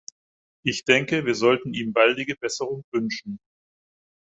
Ich denke, wir sollten ihm baldige Besserung wünschen.